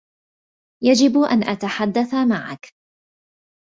يجب أن أتحدّث معك.